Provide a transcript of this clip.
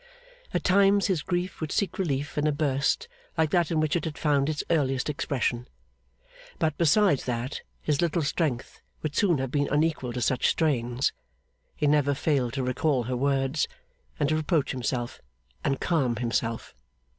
At times his grief would seek relief in a burst like that in which it had found its earliest expression; but, besides that his little strength would soon have been unequal to such strains, he never failed to recall her words, and to reproach himself and calm himself.